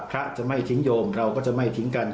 พระจะไม่ทิ้งโยมเราก็จะไม่ทิ้งกัน